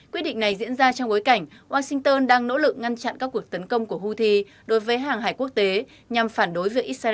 quyết định này diễn ra trong bối cảnh washington đang nỗ lực ngăn chặn các cuộc tấn công của houthi đối với hàng hải quốc tế nhằm phản đối với israel bắn phá gaza